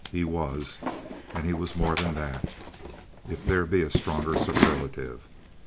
He was; and he was more than that, if there be a stronger superlative.